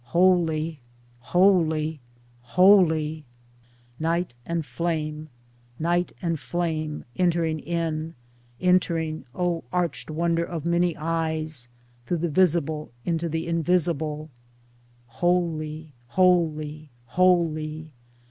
Holy! holy! holy! Night and flame, night and flame, entering in ! enter ing (O arched wonder of many eyes !) through the visible into the invisible — Holy! holy! holy!